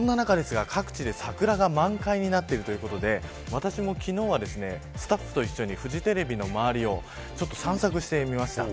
そんな中ですが各地で桜が満開になってるということで私も昨日はスタッフと一緒にフジテレビの周りを散策してみました。